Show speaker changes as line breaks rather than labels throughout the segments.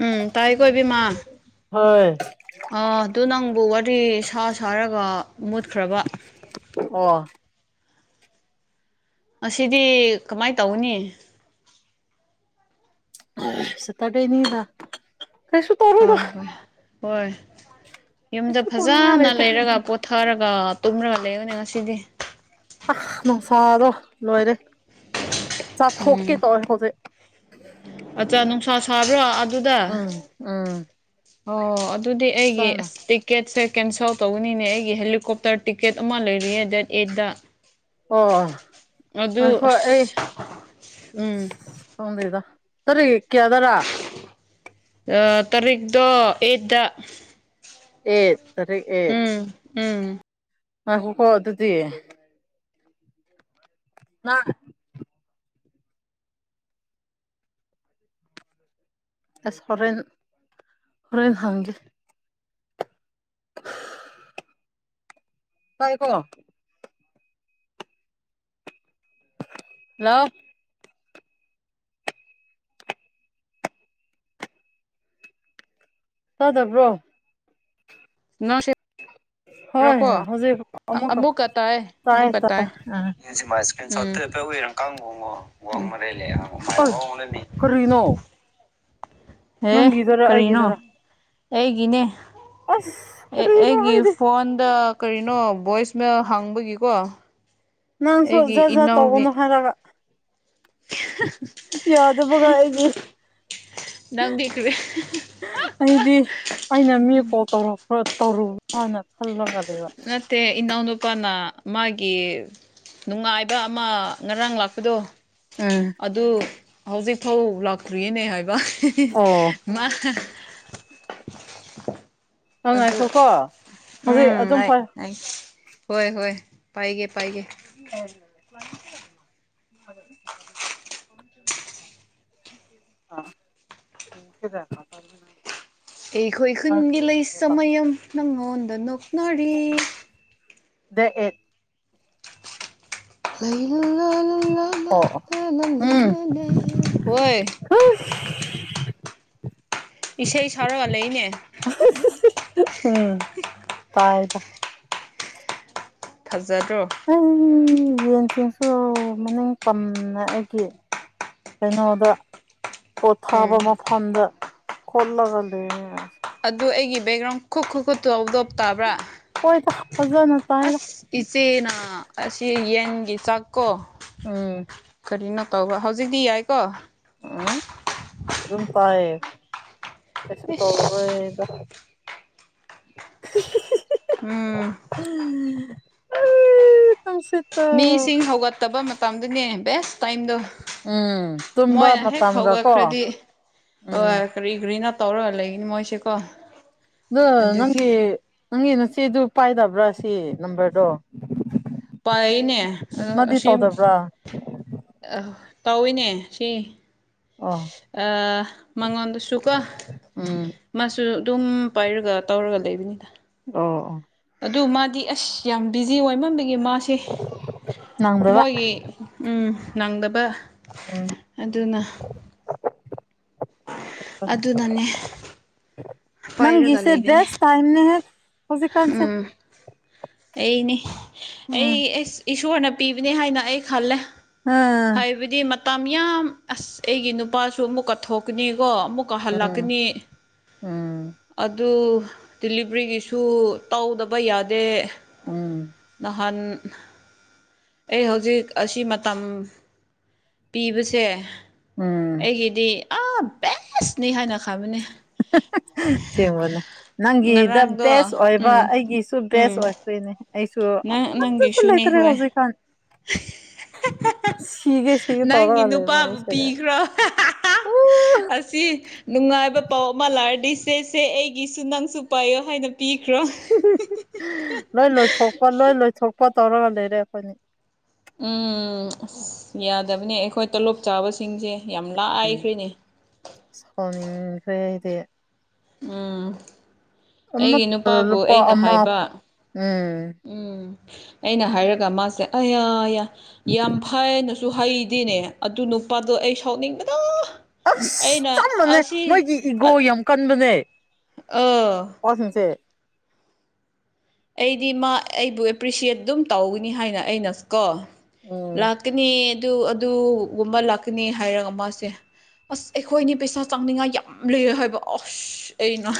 ꯎꯝ ꯇꯥꯏꯀꯣ ꯏꯕꯦꯝꯃ
ꯍꯣꯏ
ꯑꯥ ꯑꯗꯨ ꯅꯪꯕꯨ ꯋꯥꯔꯤ ꯁꯥ ꯁꯥꯔꯒ ꯃꯨꯠꯈ꯭ꯔꯕ
ꯑꯣ
ꯑꯁꯤꯗꯤ ꯀꯃꯥꯏꯅ ꯇꯧꯅꯤ
ꯁꯤꯠꯇꯗꯩꯅꯤꯗ
ꯍ ꯍꯣꯏ ꯍꯣꯏ ꯌꯨꯝꯗ
ꯀꯩꯁꯨ ꯇꯧꯅꯤꯡꯉꯥꯏ
ꯐꯖꯅ
ꯂꯩꯇꯦ
ꯂꯩꯔꯒ ꯄꯣ ꯊꯥꯔꯒ ꯇꯨꯝꯔꯒ ꯂꯩꯕꯅꯦ ꯉꯁꯤꯗꯤ
ꯑꯁ ꯅꯨꯡꯁꯥꯗꯣ ꯂꯣꯏꯔꯦ
ꯎꯝ
ꯆꯥꯊꯣꯛꯀꯦ ꯇꯧꯋꯦ ꯍꯧꯖꯤꯛ
ꯑꯠꯆꯥ ꯅꯨꯡꯁꯥ ꯁꯥꯕ꯭ꯔꯣ ꯑꯗꯨꯗ
ꯎꯝ ꯎꯝ
ꯑꯣ ꯑꯗꯨꯗꯤ ꯑꯩꯒꯤ
ꯆꯥꯅ
ꯑꯁ ꯇꯤꯀꯦꯠꯁꯦ ꯀꯦꯟꯁꯦꯜ ꯇꯧꯒꯅꯤꯅꯦ ꯑꯩꯒꯤ ꯍꯦꯂꯤꯀꯣꯞꯇꯔ ꯇꯤꯛꯀꯦꯠ ꯑꯃ ꯂꯩꯔꯤꯑꯌꯦ ꯗꯦꯠ ꯑꯩꯠꯗ
ꯑꯣ
ꯑꯗꯨ
ꯉꯥꯏꯈꯣ
ꯑꯁ ꯎꯝ
ꯈꯪꯗꯦ ꯗ ꯇꯔꯤꯛ ꯀꯌꯗꯔꯥ
ꯑ ꯇꯥꯔꯤꯛꯛꯇꯣ ꯑꯩꯠꯗ
ꯑꯩꯠ ꯇꯥꯔꯤꯛ ꯑꯩꯠ
ꯎꯝ ꯎꯝ
ꯉꯏꯈꯣꯀꯣ ꯑꯗꯨꯗꯤ ꯃꯥ ꯑꯁ ꯍꯣꯔꯦꯟ ꯍꯣꯔꯦꯟ ꯍꯪꯒꯦ ꯇꯥꯏꯌꯦ ꯀꯣ ꯍꯜꯂꯣ ꯇꯥꯗꯕ꯭ꯔꯣ
ꯅꯣꯁꯦ
ꯍꯣꯏ
ꯀꯣ
ꯍꯧꯖꯤꯛ
ꯑꯃꯨꯛꯀ ꯇꯥꯏ ꯑꯃꯨꯛꯀ ꯇꯥꯏ ꯃ ꯏꯁꯀ ꯎꯏꯔꯝ ꯀꯥꯡꯕꯨꯉꯣ ꯋꯥꯃꯔꯦ ꯂꯩ
ꯑꯥꯢ ꯀꯔꯤꯅꯣ
ꯍꯦ
ꯅꯪꯒꯤꯗꯔ
ꯀꯔꯤꯅꯣ
ꯑꯩꯒꯤꯗꯔ
ꯑꯩꯒꯤꯅꯦ
ꯑꯁ
ꯑꯦ
ꯀꯔꯤꯅꯣ
ꯑꯩꯒꯤ
ꯍꯥꯏꯗꯤ
ꯐꯣꯟꯗ ꯀꯔꯤꯅꯣ ꯚꯣꯏꯁ ꯃꯦꯜ ꯍꯥꯡꯕꯒꯤꯀꯣ
ꯅꯪꯁꯨ
ꯑꯩꯒꯤ
ꯖꯥꯠ ꯖꯥꯠ
ꯏꯅꯥꯎꯒꯤ
ꯇꯧꯒꯥꯅꯨ ꯍꯥꯏꯔꯕ ꯌꯥꯗꯕ ꯒꯥ ꯑꯩꯒꯤ
ꯅꯪꯗꯤ ꯀꯔꯤ
ꯑꯩꯗꯤ ꯑꯩꯅ ꯃꯤ ꯀꯣꯜ ꯇꯧꯔꯛꯄ꯭ꯔꯣ ꯇꯧꯔꯨꯕꯣꯅ ꯈꯜꯂꯒ ꯂꯩ
ꯅꯠꯇꯦ ꯏꯅꯥꯎ ꯅꯨꯄꯥꯅ ꯃꯥꯒꯤ ꯅꯨꯡꯉꯥꯏꯕ ꯑꯃ ꯉꯔꯥꯡ ꯂꯥꯛꯄꯗꯣ
ꯑꯝ
ꯑꯗꯨ ꯍꯧꯖꯤꯛ ꯐꯥꯎ ꯂꯥꯛꯇ꯭ꯔꯤꯅꯦ ꯍꯥꯏꯕ
ꯑꯣ
ꯃꯥ
ꯅꯍꯥꯛ
ꯑꯗꯨ
ꯉꯥꯏꯈ꯭ꯔꯣꯀꯣ ꯍꯧꯖꯤꯛ
ꯎꯝ
ꯑꯗꯨꯝ
ꯑꯩ
ꯐ
ꯍꯣꯏ ꯍꯣꯏ ꯄꯥꯏꯒꯦ ꯄꯥꯏꯒꯦ
[unintelligible] ꯑ ꯍ ꯀꯗ [unintelligible]
ꯑꯩꯈꯣꯏ ꯈꯨꯟꯒꯤ ꯂꯩꯁꯥ ꯃꯌꯝ ꯅꯪꯉꯣꯟꯗ ꯅꯣꯛꯅꯔꯤ
ꯗꯦꯠ ꯑꯦꯠ
ꯂꯩ ꯂꯥ ꯂꯥ ꯂꯥ ꯂꯥ
ꯑꯣ ꯑꯣ
ꯂꯥ ꯂꯥ ꯂꯥ ꯂꯥ ꯍꯣꯏ
ꯍꯥ [unintelligible]
ꯏꯁꯩ ꯁꯥꯔꯒ ꯂꯩꯅꯦ
ꯎꯝ ꯇꯥꯏꯗ
ꯐꯖꯗꯔꯣ
ꯑꯩ ꯌꯦꯟꯁꯤꯡꯁꯨ ꯃꯅꯤꯡ ꯇꯝꯅ ꯑꯩꯒꯤ ꯀꯩꯅꯣꯗ
ꯎꯝ
ꯄꯣꯊꯥꯕ ꯃꯐꯝꯗ ꯈꯣꯠꯂꯒ ꯂꯩꯅ ꯑꯩꯁꯨ
ꯑꯗꯨ ꯑꯩꯒꯤ ꯕꯦꯛꯒ꯭ꯔꯥꯎꯟ ꯈꯨꯛ ꯈꯨ ꯈꯨ ꯇꯧꯕꯗꯣ ꯇꯥꯕ꯭ꯔꯥ
ꯍꯣꯏꯗ ꯐꯖꯅ ꯇꯥꯏꯗ
ꯑꯁ ꯏꯆꯦꯅ ꯑꯁꯤ ꯌꯦꯟꯒꯤ ꯆꯥꯛꯀꯣ
ꯎꯝ
ꯀꯔꯤꯅꯣ ꯇꯧꯕ ꯍꯧꯖꯤꯛꯇꯤ ꯌꯥꯏꯀꯣ
ꯎꯝ ꯑꯗꯨꯝ ꯇꯏꯌꯦ ꯀꯩꯁꯨ
ꯏꯁ
ꯇꯧꯔꯔꯣꯏ ꯗ ꯍꯤ ꯍꯤ ꯍꯤ ꯍꯤ
ꯎꯝ
[unintelligible]
ꯃꯤꯁꯤꯡ ꯍꯧꯒꯠꯇꯕ ꯃꯇꯝꯗꯨꯅꯦ ꯕꯦꯁ ꯇꯥꯏꯝꯗꯣ
ꯎꯝ ꯇꯨꯝꯕ
ꯃꯣꯏꯅ ꯍꯦꯛ
ꯃꯇꯝꯒ ꯀꯣ
ꯍꯧꯒꯠꯈ꯭ꯔꯗꯤ
ꯎꯝ
ꯂꯣꯏꯔꯦ
ꯑꯗꯣ
ꯀꯔꯤ ꯀꯔꯤꯅ ꯇꯧꯔꯒ ꯂꯩꯒꯅꯤ ꯃꯣꯏꯁꯦꯀꯣ
ꯑ
ꯑꯗꯨꯒꯤ
ꯅꯪꯒꯤ ꯅꯪꯒꯤ ꯅꯆꯦꯗꯨ ꯄꯥꯏꯗꯕ꯭ꯔꯥ ꯁꯤ ꯅꯝꯕꯔꯗꯣ
ꯄꯥꯏꯅꯦ ꯑꯗꯣ
ꯃꯥꯗꯤ
ꯑꯁꯤ
ꯇꯧꯗꯕ꯭ꯔꯥ
ꯑ ꯇꯧꯏꯅꯦ ꯁꯤ
ꯑꯣ
ꯑ ꯃꯉꯣꯟꯗꯁꯨꯀꯣ
ꯎꯝ
ꯃꯥꯁꯨ ꯑꯗꯨꯝ ꯄꯥꯏꯔꯒ ꯇꯧꯔꯒ ꯂꯩꯕꯅꯤꯗ
ꯑꯣ ꯑꯣ
ꯑꯗꯨ ꯃꯥꯗꯤ ꯑꯁ ꯌꯥꯝ ꯕꯤꯖꯤ ꯑꯣꯏꯃꯝꯗꯒꯤ ꯃꯥꯁꯦ
ꯅꯪꯗꯕ
ꯃꯣꯏꯒꯤ ꯎꯝ ꯅꯪꯗꯕ
ꯎꯝ
ꯑꯗꯨꯅ ꯑꯗꯨꯅꯅꯦ
[unintelligible]
ꯄꯥꯏꯔꯒ
ꯅꯪꯒꯤꯁꯦ
ꯂꯩꯕꯅꯦ
ꯦꯁ ꯇꯥꯏꯅꯦ ꯍ ꯍꯧꯖꯤ ꯀꯥꯟꯁꯦ
ꯑꯩꯅꯦ
ꯎꯝ
ꯑꯩ ꯏꯁꯣꯔꯅ ꯄꯤꯕꯅꯦ ꯍꯥꯏꯅ ꯑꯩ ꯈꯜꯂꯦ
ꯎꯝ
ꯍꯥꯏꯕꯗꯤ ꯃꯇꯝ ꯌꯥꯝ ꯑꯁ ꯑꯩꯒꯤ ꯅꯨꯄꯥꯁꯨ ꯑꯃꯨꯛ ꯀꯠꯊꯣꯛꯀꯅꯤꯀꯣ ꯑꯃꯨꯛ
ꯎꯝ ꯎꯝ
ꯑꯗꯨ ꯗꯤꯂꯤꯕ꯭ꯔꯤꯒꯤꯁꯨ ꯇꯧꯗꯕ ꯌꯥꯗꯦ
ꯎꯝ
ꯅꯍꯥꯟ ꯑꯩ ꯍꯧꯖꯤꯛ ꯑꯁꯤ ꯃꯇꯝ ꯄꯤꯕꯁꯦ
ꯎꯝ
ꯑꯩꯒꯤ ꯗꯤ ꯑ ꯕꯁꯅꯤ ꯍꯥꯟ ꯈꯕꯨꯅꯦ
ꯊꯦꯡꯕꯅꯦ ꯅꯪꯒꯤꯗ
ꯉꯔꯥꯡꯗꯣ
ꯕꯦꯁ ꯑꯣꯏꯕ
ꯎꯝ
ꯑꯩꯒꯤꯁꯨ
ꯎꯝ
ꯕꯦꯁ ꯑꯣꯏ ꯅꯦ
ꯅꯪ
ꯑꯩꯁꯨꯁꯨ
ꯅꯪꯒꯤꯁꯨꯅꯦ
ꯂꯩꯇꯔꯦ
ꯍꯣꯏ
ꯍꯧꯖꯤ ꯈꯥꯟ
ꯅꯪꯒꯤ
ꯇꯧꯔꯒ ꯂꯩꯕ
ꯅꯨꯄꯥꯕꯨ
ꯑꯩꯁꯦ
ꯄꯤꯈ꯭ꯔꯣ
ꯎ
ꯑꯁꯤ ꯅꯨꯡꯉꯥꯏꯕ ꯄꯥꯎ ꯑꯃ ꯂꯥꯛꯔꯗꯤ ꯁꯦ ꯁꯦ ꯑꯩꯒꯤꯁꯨ ꯅꯪꯁꯨ ꯄꯥꯏꯌꯣ ꯍꯥꯏꯅ ꯄꯤꯈ꯭ꯔꯣ
ꯂꯣꯏ ꯂꯣꯏꯊꯣꯛꯄ ꯂꯣꯏ ꯂꯣꯏꯊꯣꯛꯄ ꯇꯧꯔꯒ ꯂꯩꯔꯦ ꯑꯩꯈꯣꯏꯅꯤ
ꯎꯝ ꯑꯁ ꯌꯥꯗꯕꯅꯦ ꯑꯩꯈꯣꯏ ꯇꯣꯂꯣꯞ ꯆꯥꯕꯁꯤꯡꯁꯦ ꯌꯥꯝ ꯂꯥꯏꯈ꯭ꯔꯤꯅꯦ
ꯁꯈꯥꯎꯅꯤꯡꯈ꯭ꯔꯦ ꯍꯥꯏꯗꯤ
ꯎꯝ ꯑꯩꯒꯤ
ꯑꯃꯠꯇ
ꯅꯨꯄꯥꯕꯨ
ꯂꯨꯄꯥ
ꯑꯩꯅ
ꯑꯃ
ꯍꯥꯏꯕ
ꯎꯝ
ꯎꯝ ꯑꯩꯅ ꯍꯥꯏꯔꯒ ꯃꯥꯁꯦ ꯑꯌꯥ ꯑ ꯌꯥꯝ ꯐꯅꯁꯨ ꯍꯩꯗꯤꯅꯦ ꯑꯗꯨ ꯅꯨꯄꯥꯗꯣ ꯑꯩ ꯁꯥꯎꯅꯤꯡꯕꯗ
ꯑ
ꯑꯩꯅ
ꯆꯞꯝꯕꯅꯦ
ꯑꯁꯤ
ꯃꯣꯏꯒꯤ ꯏꯒꯣ ꯌꯥꯝ ꯀꯟꯕꯅꯦ
ꯑ
ꯑꯣꯣ ꯁꯤꯁꯦ
ꯑꯩꯗꯤ ꯃꯥ ꯑꯩꯕꯨ ꯑꯦꯄ꯭ꯔꯤꯁꯤꯌꯦꯠ ꯑꯗꯨꯝ ꯇꯧꯒꯅꯤ ꯍꯥꯏꯅ ꯑꯩꯅ ꯀꯣ ꯂꯥꯛ
ꯎꯝ
ꯂꯥꯛꯀꯅꯤ ꯑꯗꯨ ꯑꯗꯨꯒꯨꯝꯕ ꯂꯥꯛꯀꯅꯤ ꯍꯥꯏꯔꯒ ꯃꯥꯁꯦ ꯑꯁ ꯑꯩꯈꯣꯏꯅꯤ ꯄꯩꯁꯥ ꯆꯥꯅꯤꯡꯉꯥꯏ ꯌꯥꯝ ꯂꯩꯔ ꯍꯥꯏꯕ ꯑꯁ ꯑꯩꯅ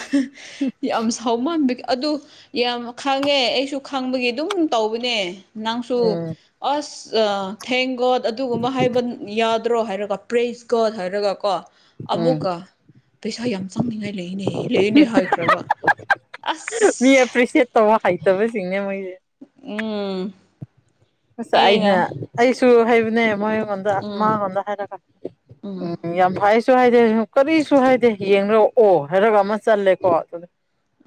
ꯌꯥꯝ ꯁꯥꯎ ꯃꯥꯟꯕꯤ ꯑꯗꯨ ꯌꯥꯝ ꯈꯪꯉꯦ ꯑꯩꯁꯨ ꯈꯪꯕꯒꯤ ꯑꯗꯨꯝ ꯇꯧꯕꯅꯦ ꯅꯪꯁꯨ
ꯎꯝ
ꯑꯁ ꯊꯦꯡ ꯒꯣꯗ ꯑꯗꯨꯒꯨꯝꯕ ꯍꯥꯏꯕ ꯌꯥꯗ꯭ꯔꯣ ꯍꯥꯏꯔꯒ ꯄ꯭ꯔꯦꯁꯀꯠ ꯍꯥꯏꯔꯒꯀꯣ
ꯎꯝ
ꯑꯃꯨꯛꯀ ꯄꯩꯁꯥ ꯌꯥꯝ ꯆꯪꯅꯤꯡꯉꯥꯏ ꯂꯩꯅꯦ ꯂꯩꯅꯦ ꯍꯥꯏꯈ꯭ꯔꯕ
ꯃꯤ
ꯑꯁ
ꯑꯦꯄ꯭ꯔꯤꯁꯦꯠ ꯇꯧꯕ ꯍꯩꯇꯕꯁꯤꯡꯅꯦ ꯃꯣꯏꯁꯦ
ꯎꯝ
ꯑꯁ ꯑꯩꯅ ꯑꯩꯁꯨ ꯍꯥꯏꯕꯅꯦ ꯃꯣꯏꯉꯣꯟꯗ
ꯎꯝ
ꯃꯥꯉꯣꯟꯗ ꯍꯥꯏꯔꯒ ꯎꯝ ꯌꯥꯝ ꯐ ꯁꯨ ꯍꯥꯏꯗꯦ ꯀꯔꯤꯁꯨ ꯍꯥꯏꯗꯦ ꯌꯦꯡꯅꯔꯛꯑꯣ ꯍꯥꯏꯔꯒ ꯑꯃ ꯆꯜꯂꯦꯀꯣ ꯑꯗꯨꯗꯤ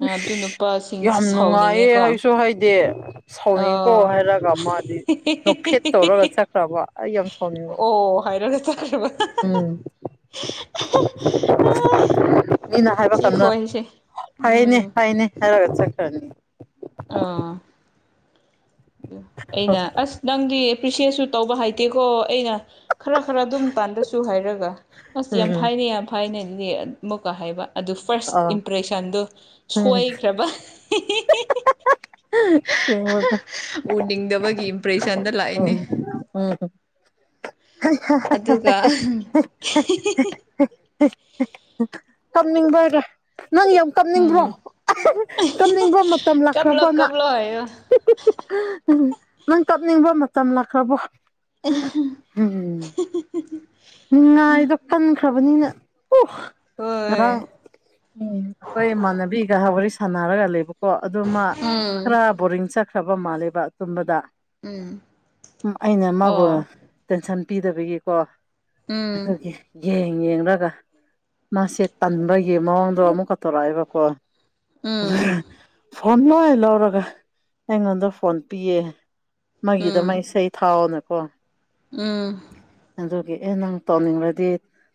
ꯑꯗꯨ ꯅꯨꯄꯥꯁꯤꯡꯁꯤ
ꯌꯥꯝ ꯅꯨꯡꯉꯥꯏꯌꯦ
ꯁꯥꯎꯅꯤꯡꯉꯦꯀꯣ
ꯍꯥꯏꯁꯨ ꯍꯥꯏꯗꯦ ꯁꯥꯎꯅꯤꯡ ꯀꯣ
ꯑꯥ
ꯍꯥꯏꯔꯒ ꯃꯥꯗꯤ ꯅꯨꯡꯐꯦꯠ ꯇꯧꯔꯒ ꯆꯠꯈ꯭ꯔꯕ ꯑꯩ ꯌꯥꯝ ꯁꯥꯎꯅꯤꯡꯉ
ꯑꯣ ꯍꯥꯏꯔꯒ ꯆꯠꯈ꯭ꯔꯕ
ꯎꯝ ꯃꯤꯅ ꯍꯥꯏꯕ
ꯁꯤ
ꯀꯗ
ꯈꯣꯏꯁꯦ
ꯐꯩꯅꯦ
ꯎꯝ
ꯐꯩꯅꯦ ꯍꯥꯏꯔꯒ ꯆꯠꯈ꯭ꯔꯅꯤ
ꯑꯥ ꯑꯩꯅ ꯑꯁ ꯅꯪꯗꯤ ꯄ꯭ꯔꯤꯁꯤꯌꯁꯁꯨ ꯇꯧꯕ ꯍꯩꯇꯦꯀꯣ ꯑꯩꯅ ꯈꯔ ꯈꯔ ꯗꯨꯝ ꯇꯥꯟꯕꯁꯨ ꯍꯩꯔꯒ ꯑꯁ ꯌꯥꯝ
ꯎꯝ
ꯐꯩꯅꯦ ꯌꯥꯝ ꯐꯩꯅꯦ ꯑꯗꯨꯗꯤ ꯑꯃꯨꯛꯀ ꯍꯩꯕ ꯑꯗꯨ ꯐꯥꯔꯁ
ꯑꯥ
ꯏꯝꯄ꯭ꯔꯦꯁꯟꯗꯨ
ꯎꯝ
ꯁꯣꯏꯈ꯭ꯔꯕ
[unintelligible]
ꯎꯅꯤꯡꯗꯕꯒꯤ ꯏꯝꯄ꯭ꯔꯦꯁꯟꯗ ꯂꯥꯛꯑꯦꯅꯦ꯫
ꯎꯝ ꯎꯝ
ꯑꯗꯨꯒ
[unintelligible] ꯀꯞꯅꯤꯡꯕꯩꯔ ꯅꯪ ꯌꯥꯝ ꯀꯞꯅꯤꯡꯕ꯭ꯔꯣ?
ꯎꯝ
ꯇꯝꯅꯤꯡꯕ ꯃꯇꯝ
ꯀꯞꯂꯣ
ꯂꯥꯛꯈ꯭ꯔꯕꯃꯥ?
ꯀꯞꯂꯣ ꯍꯥꯏꯌꯣ
ꯅꯪ ꯀꯞꯅꯤꯡꯕ ꯃꯇꯝ ꯂꯥꯛꯈ꯭ꯔꯕꯣ?
[unintelligible]
ꯎꯝ ꯅꯨꯡꯉꯥꯏꯗꯣ ꯄꯟꯈ꯭ꯔꯕꯅꯤꯅ ꯎ ꯉꯔꯥꯡ
ꯍꯣꯏ
ꯎꯝ ꯑꯈꯣꯏ ꯏꯃꯥꯟꯅꯕꯤꯒ ꯋꯥꯔꯤ ꯁꯥꯟꯅꯔꯒ ꯂꯩꯕ ꯀꯣ ꯑꯗꯨꯃ
ꯎꯝ
ꯈꯔ ꯕꯣꯔꯤꯡ ꯆꯠꯈ꯭ꯔꯕ ꯃꯥꯜꯂꯦꯕ ꯇꯨꯝꯕꯗ꯫
ꯎꯝ
ꯎꯝ ꯑꯩꯅ ꯃꯥꯕꯨ
ꯑꯣ
ꯇꯦꯟꯁꯟ ꯄꯤꯗꯕꯒꯤꯀꯣ
ꯎꯝ
ꯑꯗꯨꯒꯤ ꯌꯦꯡ ꯌꯦꯡꯔꯒ ꯃꯥꯁꯦ ꯇꯟꯕꯒꯤ ꯃꯑꯣꯡꯗꯣ ꯑꯃꯨꯛꯀ ꯇꯧꯔꯛꯑꯦꯕꯀꯣ
ꯎꯝ
[unintelligible] ꯐꯣꯟ ꯂꯣꯏ ꯂꯧꯔꯒ ꯑꯩꯉꯣꯟꯗ ꯐꯣꯟ ꯄꯤꯌꯦ꯫ ꯃꯥꯒꯤꯗ ꯃꯛ
ꯎꯝ
ꯏꯁꯩ ꯊꯥꯎꯅꯀꯣ
ꯎꯝ
ꯑꯦꯑꯦ ꯅꯪ ꯇꯧꯅꯤꯡꯔꯗꯤ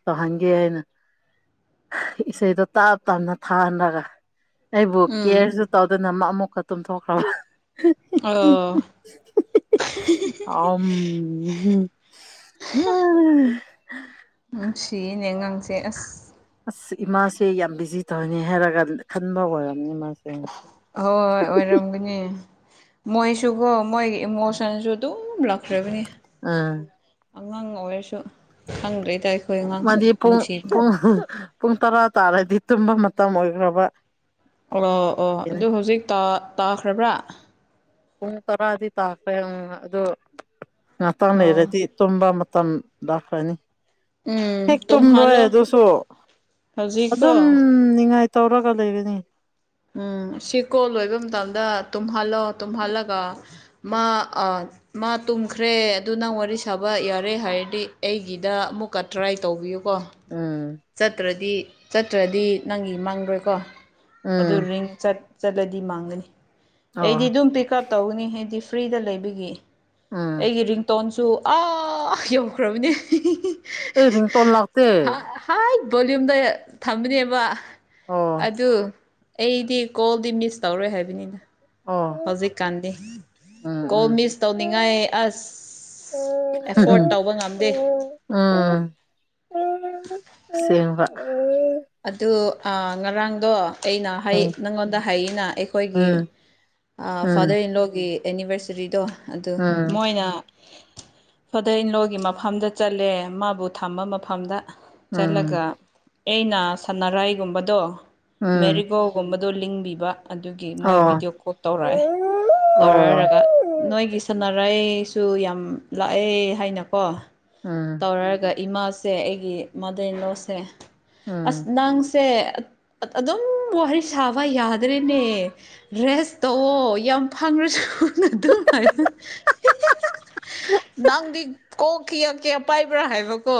ꯇꯧꯍꯟꯒꯦ ꯍꯥꯏꯅ ꯏꯁꯩꯗꯣ ꯇꯥꯞ ꯇꯥꯞꯅ ꯊꯥꯍꯟꯔꯒ ꯑꯩꯕꯨ
ꯎꯝ
ꯀꯦꯌꯔꯁꯨ ꯇꯧꯗꯅ ꯑꯃꯛ ꯑꯃꯨꯛꯀ ꯇꯨꯝꯊꯣꯛꯈ꯭ꯔꯕ
ꯑꯣ
[unintelligible] ꯑꯝ
ꯅꯨꯡꯁꯤꯌꯦꯅꯦ ꯑꯉꯥꯡ ꯁꯦ ꯑꯁ
ꯑꯁ ꯏꯃꯥꯁꯦ ꯌꯥꯝ ꯕꯤꯖꯤ ꯇꯧꯅꯤ ꯍꯥꯏꯔꯒ ꯈꯟꯕ ꯑꯣꯏꯔꯝꯅꯤ ꯃꯥ
ꯍꯣꯏ ꯑꯣꯏꯔꯝꯒꯅꯤ ꯃꯣꯏꯁꯨꯒꯣ ꯃꯣꯏꯒꯤ ꯏꯃꯣꯁꯟꯁꯨ ꯗꯨꯝ ꯂꯥꯛꯈ꯭ꯔꯕꯅꯤ꯫
ꯑꯥ
ꯑꯉꯥꯡ ꯑꯣꯏꯔꯁꯨ ꯈꯪꯗ꯭ꯔꯦ ꯇꯥꯏ
ꯃꯥꯗꯤ ꯄꯨꯡ ꯄꯨꯡ ꯄꯨꯡ ꯇꯔꯥ ꯇꯥꯔꯗꯤ ꯇꯨꯝꯕ ꯃꯇꯝ ꯑꯣꯏꯈ꯭ꯔꯕ꯫
ꯑꯣ ꯑꯣ ꯑꯗꯨ ꯍꯧꯖꯤꯛ ꯇꯥꯈ꯭ꯔꯕ꯭ꯔꯥ?
ꯄꯨꯡ ꯇꯔꯥꯗꯤ ꯇꯥꯈ꯭ꯔꯦꯡ ꯑꯗꯨ ꯉꯥꯇꯡ
ꯑꯣ
ꯂꯩꯔꯗꯤ ꯇꯨꯝꯕ ꯃꯇꯝ ꯂꯥꯈꯔꯅꯤ꯫
ꯎꯝ
ꯍꯦꯛ ꯇꯨꯝꯔꯣꯏ
ꯇꯨꯝꯍꯜꯂꯣ
ꯑꯗꯨꯁꯨ ꯑꯗꯨꯝ
ꯍꯧꯖꯤꯛꯀꯣ
ꯅꯤꯡꯉꯥꯏ ꯇꯧꯔꯒ ꯂꯩꯒꯅꯤ꯫
ꯎꯝ ꯁꯤ ꯀꯣꯜ ꯂꯣꯏꯕ ꯃꯇꯝꯗ ꯇꯨꯝꯍꯜꯂꯣ ꯇꯨꯝꯍꯜꯂꯒ ꯃꯥꯑ ꯃꯥ ꯇꯨꯝꯈ꯭ꯔꯦ ꯑꯗꯨ ꯅꯪ ꯋꯥꯔꯤ ꯁꯥꯕ ꯌꯥꯔꯦ ꯍꯥꯏꯔꯗꯤ ꯑꯩꯒꯤꯗ ꯑꯃꯨꯛꯀ ꯇ꯭ꯔꯥꯏ ꯇꯧꯕꯤꯌꯨꯀꯣ꯫
ꯎꯝ
ꯆꯠꯇ꯭ꯔꯗꯤ ꯆꯠꯇ꯭ꯔꯗꯤ ꯅꯪꯒꯤ ꯃꯥꯡꯗ꯭ꯔꯣꯏꯀꯣ ꯑꯗꯨ
ꯎꯝ
ꯔꯤꯡ ꯆꯠ ꯆꯠꯂꯗꯤ ꯃꯥꯡꯒꯅꯤ ꯑꯩꯗꯤ
ꯑꯣ
ꯗꯨꯝ ꯄꯤꯛ ꯎꯞ ꯇꯧꯒꯅꯤ ꯑꯩꯗꯤ ꯐ꯭ꯔꯤꯗ ꯂꯩꯕꯒꯤ
ꯎꯝ
ꯑꯩꯒꯤ ꯔꯤꯡꯇꯣꯟꯁꯨ ꯑꯥ ꯌꯧꯈ꯭ꯔꯕꯅꯦ꯫
ꯑꯦ ꯔꯤꯡꯇꯣꯟ ꯂꯥꯛꯇꯦ꯫
ꯍꯥꯏ ꯚꯣꯂꯌꯨꯝꯗ ꯊꯝꯕꯅꯦꯕ
ꯑꯣ
ꯑꯗꯨ ꯑꯩꯗꯤ ꯀꯣꯜꯗꯤ ꯃꯤꯁ ꯇꯧꯔꯣꯏ ꯍꯥꯏꯕꯅꯤꯅ꯫
ꯑꯣ
ꯍꯧꯖꯤꯛꯀꯥꯟꯗꯤ
ꯎꯝ
ꯀꯣꯜ
ꯎꯝ
ꯃꯤꯁ ꯇꯧꯅꯤꯡꯉꯥꯏ ꯑꯁ ꯑꯦꯐꯣꯔꯠ ꯇꯧꯕ ꯉꯝꯗꯦ꯫
ꯎꯝ ꯁꯦꯡꯕ ꯎꯝ
ꯑꯗꯨ ꯑ ꯉꯔꯥꯡꯗꯣ ꯑꯩꯅ
ꯎꯝ
ꯅꯪꯉꯣꯟꯗ ꯍꯥꯏꯩꯅ ꯑꯩꯈꯣꯏꯒꯤ
ꯎꯝ ꯎꯝ
ꯐꯥꯗꯔ ꯏꯟꯂꯣꯒꯤ ꯑꯦꯅꯤꯚꯔꯁꯔꯤꯗꯣ ꯑꯗꯨ
ꯎꯝ
ꯃꯣꯏꯅ ꯐꯗꯩ ꯏꯟꯂꯣꯒꯤ ꯃꯐꯝꯗ ꯆꯠꯂꯦ ꯃꯥꯕꯨ ꯊꯝꯕ ꯃꯐꯝꯗ ꯆꯠꯂꯒ
ꯎꯝ
ꯑꯩꯅ ꯁꯅꯔꯥꯏꯒꯨꯝꯕꯗꯣ
ꯎꯝ
ꯃꯦꯔꯤꯒꯣ ꯀꯨꯝꯕꯗꯣ ꯂꯤꯡꯕꯤꯕ ꯑꯗꯨꯒꯤ ꯃꯣꯏ
ꯑꯣ
ꯚꯤꯗꯤꯑꯣ ꯀꯣꯜ ꯇꯧꯔꯛꯑꯦ
ꯑꯣ
ꯇꯧꯔꯛꯔꯒ ꯅꯣꯏꯒꯤ ꯁꯥꯟꯅꯔꯥꯏꯁꯨ ꯌꯥꯝ ꯂꯥꯛꯑꯦ ꯍꯥꯏꯅꯀꯣ
ꯎꯝ
ꯇꯧꯔꯒ ꯏꯃꯥꯁꯦ ꯑꯩꯒꯤ ꯃꯗꯔꯤꯟꯂ‌ꯣꯁꯦ ꯑꯁ ꯅꯪꯁꯦ ꯑꯗꯨꯝ ꯋꯥꯔꯤ ꯁꯥꯕ ꯌꯥꯗ꯭ꯔꯦꯅꯦ ꯔꯦꯁ ꯇꯧꯑꯣ ꯌꯥꯝ ꯐꯪꯉꯁꯨ ꯑꯗꯨꯝ ꯍꯥꯏꯌꯨ ꯅꯪꯗꯤ ꯀꯣꯛ ꯀꯌꯥ ꯀꯌꯥ ꯄꯥꯏꯕ꯭ꯔꯥ ꯍꯥꯏꯕ ꯀꯣ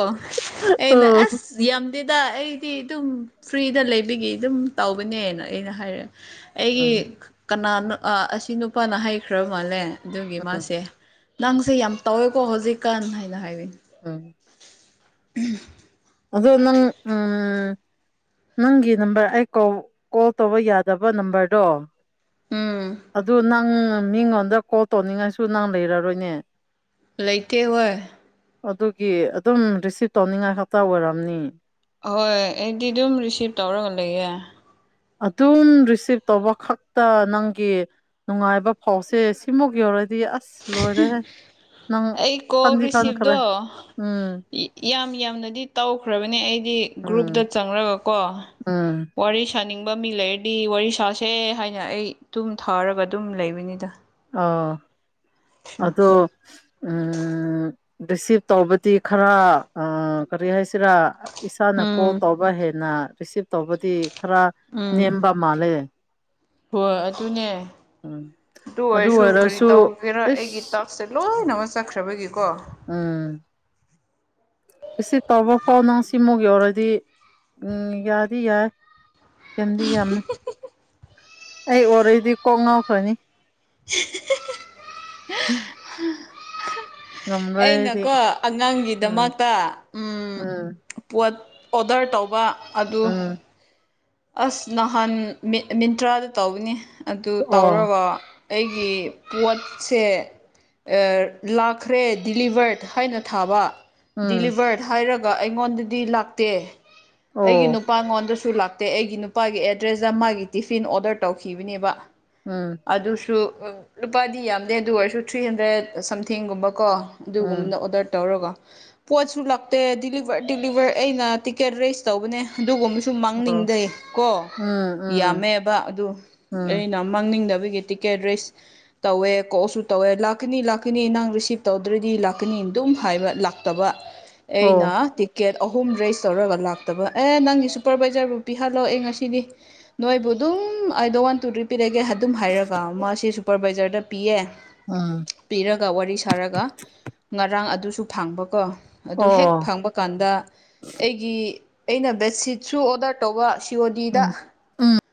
ꯑꯩꯅ
ꯑꯣ
ꯑꯁ ꯌꯥꯝꯗꯦꯗ ꯑꯩ ꯇꯤ ꯑꯗꯨꯝ ꯐ꯭ꯔꯤꯗ ꯂꯩꯕꯒꯤ ꯑꯗꯨꯝ ꯇꯧꯕꯧꯕꯅꯦꯅ ꯑꯩꯅ ꯍꯥꯏꯔꯛꯑꯦ ꯑꯩꯒꯤ
ꯎꯝ
ꯀꯅꯥꯅꯣ ꯑꯁꯤ ꯅꯨꯄꯥꯅ ꯍꯩꯈ꯭ꯔ ꯃꯥꯜꯂꯦ ꯑꯗꯨꯒꯤ
ꯎꯝ
ꯃꯥꯁꯦ ꯅꯪꯁꯦ ꯌꯥꯝ ꯇꯧꯋꯦꯀꯣ ꯍꯧꯖꯤꯛꯀꯥꯟ ꯍꯥꯏꯅ ꯍꯥꯏꯔꯤ
ꯎꯝ
ꯎꯝ
ꯑꯗ ꯅꯪ ꯎꯝ ꯅꯪꯒꯤ ꯅꯝꯕꯔ ꯑꯩ ꯀꯣꯜ ꯇꯧꯕ ꯌꯥꯗꯕ ꯅꯝꯕꯔꯗꯣ
ꯎꯝ
ꯑꯗꯨ ꯅꯪ ꯃꯤꯉꯣꯟꯗ ꯀꯣꯜ ꯇꯧꯅꯤꯡꯉꯥꯏꯁꯨ ꯅꯪ ꯂꯩꯔꯔꯣꯏꯅꯦ
ꯂꯩꯏꯇ‌ꯦ ꯍꯣꯏ
ꯑꯗꯨꯒꯤ ꯑꯗꯨꯝ ꯔꯤꯁꯤꯞ ꯇꯧꯅꯤꯡꯉꯥꯏ ꯈꯛꯇ ꯑꯣꯏꯔꯕꯝꯅꯤ
ꯑꯍꯣꯏ ꯑꯩꯗꯤ ꯑꯗꯨꯝ ꯔꯤꯁꯤꯞ ꯇꯧꯔꯒ ꯂꯩꯌꯦ
ꯑꯗꯨꯝ ꯔꯤꯁꯤꯞ ꯇꯧꯕ ꯈꯛꯇ ꯅꯪꯒꯤ ꯅꯨꯡꯉꯥꯏꯕ ꯐꯥꯎꯁꯦ ꯁꯤꯃꯨ ꯌꯧꯔꯗꯤ ꯑꯁ ꯂꯣꯏꯔꯦ
ꯑꯩ ꯀꯣꯜ ꯔꯤꯁꯤꯚꯗꯣ
ꯎꯝ
ꯌꯥꯝ ꯌꯥꯝꯅꯗꯤ ꯇꯧꯈ꯭ꯔꯕꯅꯦ ꯑꯩꯗꯤ
ꯎꯝ
ꯒ꯭ꯔꯨꯞꯇ ꯆꯪꯂꯉꯒꯀꯣ
ꯎꯝ
ꯋꯥꯔꯤ ꯁꯥꯅꯤꯡꯕ ꯃꯤ ꯂꯩꯔꯗꯤ ꯋꯥꯔꯤ ꯁꯥꯁꯦ ꯍꯥꯏꯅ ꯑꯩ ꯑꯗꯨꯨꯝ ꯊꯥꯔꯕ ꯑꯗꯨꯝ ꯂꯩꯕꯅꯤꯗ
ꯑꯪ ꯑꯗꯣ ꯔꯤꯁꯤꯞ ꯇꯧꯕꯗꯤ ꯈꯔ ꯀꯔꯤ ꯍꯥꯏꯁꯤꯔꯥ ꯏꯁꯥꯅ ꯀꯣꯜ
ꯎꯝ
ꯇꯧꯕ ꯍꯦꯟꯅ ꯔꯤꯁꯤꯞ ꯇꯧꯕꯗꯤ ꯈꯔ
ꯎꯝ
ꯅꯦꯝꯕ ꯃꯥꯜꯂꯦ
ꯍꯣꯏ ꯑꯗꯨꯅꯦ
ꯎꯝ
ꯑꯗꯨ ꯑꯣꯏꯔꯁꯨ ꯀꯔꯤ ꯇꯧꯒꯦꯔꯥ ꯑꯩꯒꯤ
ꯏꯁ
ꯇꯥꯛꯁꯦ ꯂꯣꯏꯅꯃꯛ ꯆꯠꯈ꯭ꯔꯕꯒꯤꯀꯣ
ꯎꯝ ꯇꯧꯕ ꯐꯥꯎ ꯅꯪ ꯁꯤꯃꯨꯛ ꯌꯧꯔꯗꯤ ꯎꯝ ꯌꯥꯗꯤ ꯌꯥꯏ ꯌꯥꯝꯗꯤ ꯌꯥꯝꯃꯦ ꯑꯩ ꯑꯣꯏꯔꯣꯏꯗꯤ ꯀꯣꯛ ꯉꯥꯎꯈ꯭ꯔꯅꯤ
[unintelligible]
ꯉꯝꯔꯣꯏ ꯑꯩꯗꯤ
ꯑꯩꯅꯀꯣ
ꯎꯝ
ꯑꯉꯥꯡꯒꯤꯗꯃꯛꯇ ꯎꯝ ꯄꯠ ꯑꯣꯗꯔ ꯇꯧꯕ ꯑꯗꯨ
ꯎꯝ
ꯑꯁ ꯅꯍꯥꯟ ꯃꯤꯟꯇ꯭ꯔꯥꯗ ꯇꯧꯕꯅꯤ ꯑꯗꯨ
ꯑꯣ
ꯇꯧꯔꯕ ꯑꯩꯒꯤ ꯄꯣꯠꯁꯦ ꯂꯥꯛꯈ꯭ꯔꯦ ꯗꯤꯂꯤꯚꯔꯠ ꯍꯥꯏꯅ ꯊꯥꯕ
ꯎꯝ
ꯗꯤꯂꯤꯚꯔꯠ ꯍꯥꯏꯔꯒ ꯑꯩꯉꯣꯟꯗꯗꯤ ꯂꯥꯛꯇꯦ ꯑꯩꯒꯤ
ꯑꯣ
ꯅꯨꯄꯥꯉꯣꯟꯗꯁꯨ ꯂꯥꯛ ꯑꯦ ꯑꯩꯒꯤ ꯅꯨꯄꯥꯒꯤ ꯑꯦꯗ꯭ꯔꯦꯁꯇ ꯃꯥꯒꯤ ꯇꯤꯐꯤꯟ ꯑꯣꯔꯗꯔ ꯇꯧꯈꯤꯕꯅꯦꯕ
ꯎꯝ
ꯑꯗꯨꯁꯨ ꯂꯨꯄꯥꯗꯤ ꯌꯥꯝꯗꯦ ꯑꯗꯨ ꯑꯣꯏꯔꯁꯨ ꯊ꯭ꯔꯤ ꯍꯟꯗ꯭ꯔꯦꯗ ꯁꯝꯊꯤꯡꯒꯨꯝꯕ ꯀꯣ
ꯎꯝ
ꯑꯗꯨꯒꯨꯝꯕꯗ ꯑꯣꯗꯔ ꯇꯧꯔꯒ ꯄꯣꯠꯁꯨ ꯂꯇꯦ ꯗꯤꯂꯤꯚꯔ ꯗꯤꯂꯤꯚꯔ ꯑꯩꯅ ꯇꯤꯛꯀꯦꯠ ꯔꯁ ꯇꯧꯕꯅꯦ ꯑꯗꯨꯒꯨꯝꯕꯁꯨ
ꯑꯣ
ꯃꯥꯡꯅꯤꯡꯗꯦ ꯀꯣ
ꯎꯝ ꯎꯝ
ꯌꯥꯝꯃꯦꯕ ꯑꯗꯨ ꯑ
ꯎꯝ
ꯃꯥꯡꯅꯤꯡꯗꯕꯒꯤ ꯇꯤꯛꯀꯦꯠ ꯔ‌ꯦꯁ ꯇꯧꯋꯦ ꯀꯣꯛꯁꯨ ꯇꯧꯋꯦ ꯂꯥꯛꯀꯅꯤ ꯂꯥꯛꯀꯅꯤ ꯅꯪ ꯔꯤꯁꯤꯞ ꯇꯧꯗ꯭ꯔꯗꯤ ꯂꯥꯛꯀꯅꯤ ꯑꯗꯨꯝ ꯍꯥꯏꯕ ꯂꯥꯛꯇꯕ ꯑꯩꯅ
ꯑꯣ
ꯇꯤꯀꯦꯠ ꯑꯍꯨꯝ ꯔꯦꯁ ꯇꯧꯔꯒ ꯂꯥꯛꯇꯕ ꯑꯦ ꯅꯪꯒꯤ ꯁꯨꯄꯔꯚꯏꯖꯔꯕꯨ ꯄꯤꯍꯜꯂꯣ ꯑꯩ ꯉꯁꯤꯗꯤ ꯅꯣꯏꯕꯨ ꯑꯗꯨꯝ ꯑꯩꯗꯣ ꯋꯥꯟ ꯇꯨꯗꯔꯤ ꯄꯤꯔꯒꯦ ꯍꯥꯏ ꯑꯗꯨꯝ ꯍꯥꯏꯔꯒ ꯃꯥꯁꯤꯦ ꯁꯨꯄꯔꯚꯏꯖꯔꯗ ꯄꯤꯌꯦ
ꯎꯝ
ꯄꯤꯔꯒ ꯋꯥꯔꯤ ꯁꯥꯔꯒ ꯉꯔꯥꯡ ꯑꯗꯨꯁꯨ ꯐꯪꯕꯀꯣ ꯑꯗꯨ ꯍꯦꯛ
ꯑꯣ
ꯐꯪꯕ ꯀꯥꯟꯗ ꯑꯩꯒꯤ ꯑꯩꯅ ꯕꯦꯠꯁꯤꯠꯁꯨ ꯑꯣꯗꯔ ꯇꯧꯕ ꯁꯤꯌ ꯗꯤꯗ
ꯎꯝ ꯎꯝ